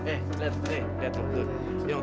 eh lihat tuh eh lihat tuh